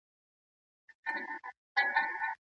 سياسي سيستم د پرېکړو پلي کولو ته اړتيا لري.